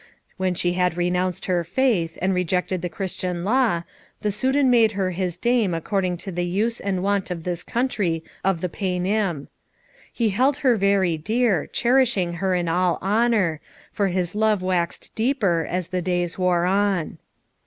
When she had renounced her faith, and rejected the Christian law, the Soudan made her his dame according to the use and wont of this country of the Paynim. He held her very dear, cherishing her in all honour, for his love waxed deeper as the days wore on.